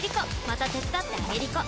また手伝ってあげりこ！